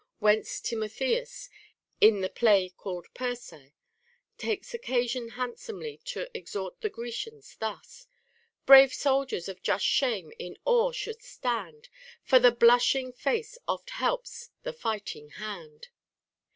Whence Timotheus, in the play called Persae, takes occasion handsomely to exhort the Grecians thus :— Brave soldiers of just shame in awe should stand ; For the blushing lace oft helps the fighting hand.